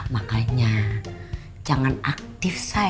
makanya jangan aktif say